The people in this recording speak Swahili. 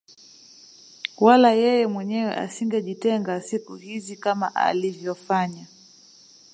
Wala yeye mwenyewe asingejitenga siku hizi kama alivyofanya